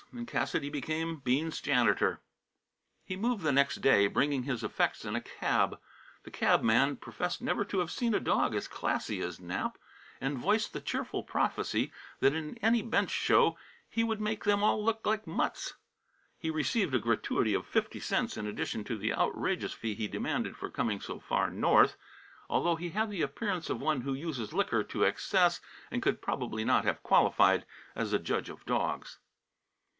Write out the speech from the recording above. And Cassidy became Bean's janitor. He moved the next day, bringing his effects in a cab. The cabman professed never to have seen a dog as "classy" as Nap, and voiced the cheerful prophecy that in any bench show he would make them all look like mutts. He received a gratuity of fifty cents in addition to the outrageous fee he demanded for coming so far north, although he had the appearance of one who uses liquor to excess, and could probably not have qualified as a judge of dogs.